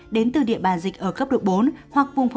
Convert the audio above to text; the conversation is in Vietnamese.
đến từ địa bàn dịch ở cấp độ cao